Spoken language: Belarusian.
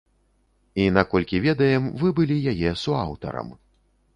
І наколькі ведаем, вы былі яе суаўтарам.